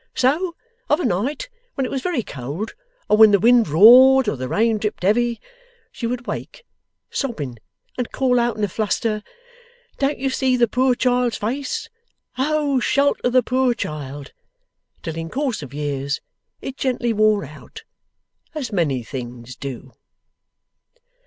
So of a night, when it was very cold, or when the wind roared, or the rain dripped heavy, she would wake sobbing, and call out in a fluster, "Don't you see the poor child's face? O shelter the poor child!" till in course of years it gently wore out, as many things do.